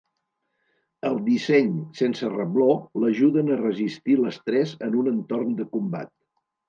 El disseny sense rebló l'ajuden a resistir l'estrès en un entorn de combat.